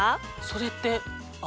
それって。